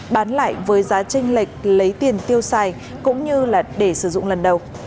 bán lại với giá tranh lệch lấy tiền tiêu xài cũng như để sử dụng lần đầu